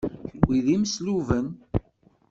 Kenwi d imesluben.